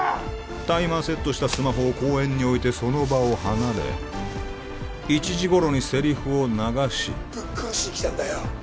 タイマーセットしたスマホを公園に置いてその場を離れ１時頃にセリフを流しぶっ殺しに来たんだよ